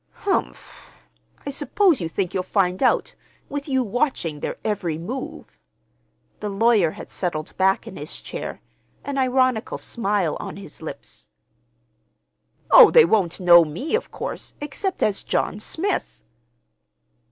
"Humph! I suppose you think you'll find out—with you watching their every move!" The lawyer had settled back in his chair, an ironical smile on his lips. "Oh, they won't know me, of course, except as John Smith."